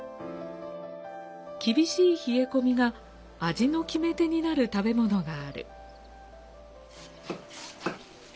厳しい冷え込みが味の決め手になる食べ物がある。